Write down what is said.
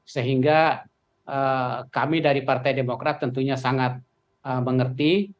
sehingga kami dari partai demokrat tentunya sangat mengerti